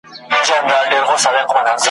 زه لکه سیوری بې اختیاره ځمه !.